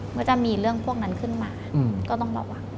เมื่อจะมีเรื่องพวกนั้นขึ้นมาก็ต้องระวัง